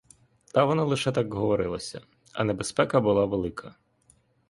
Та воно лише так говорилося, а небезпека була велика.